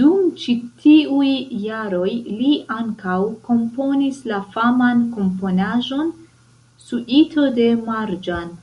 Dum ĉi tiuj jaroj li ankaŭ komponis la faman komponaĵon "Suito de Marĝan.